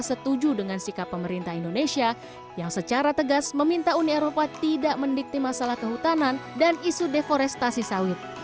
setuju dengan sikap pemerintah indonesia yang secara tegas meminta uni eropa tidak mendikti masalah kehutanan dan isu deforestasi sawit